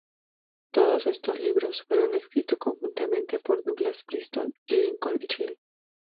Todos estos libros fueron escritos conjuntamente por Douglas Preston y Lincoln Child.